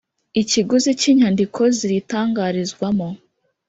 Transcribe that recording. Ikiguzi cy inyandiko ziyitangarizwamo